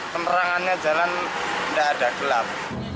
penerangannya jalan tidak ada gelap